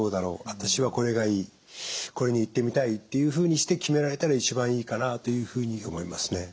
私はこれがいいこれに行ってみたいっていうふうにして決められたら一番いいかなというふうに思いますね。